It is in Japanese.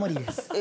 え？